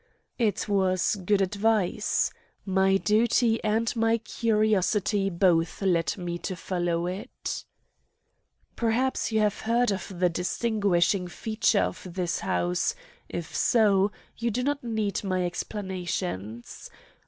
It was good advice. My duty and my curiosity both led me to follow it. Perhaps you have heard of the distinguishing feature of this house; if so, you do not need my explanations.